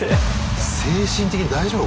精神的に大丈夫？